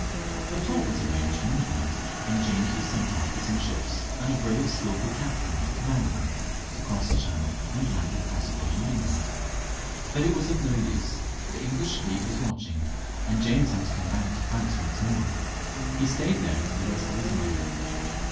A plot was arranged in England, and James was sent off with some ships, and a brave and sldlful captain to command them, to cross the Channel, and land, if possible, in England. But it was of no use ; the English fleet was watching, and James had to come back to France once more. He stayed there for the rest of his life.